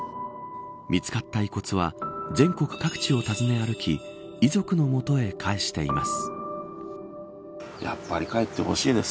見つかった遺骨は全国各地を訪ね歩き遺族の元へ返しています。